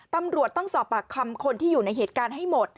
ตำรวจต้องสอบปากคำคนที่อยู่ในเหตุการณ์ให้หมด